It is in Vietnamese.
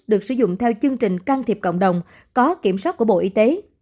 được sử dụng theo chương trình can thiệp cộng đồng có kiểm soát của bộ y tế